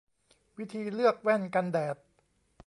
วิธีเลือกแว่นกันแดด